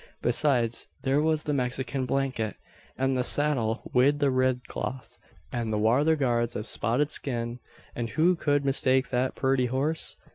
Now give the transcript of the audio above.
Besides, thare was the Mexican blanket, an the saddle wid the rid cloth, and the wather guards av spotted skin; and who could mistake that purty horse?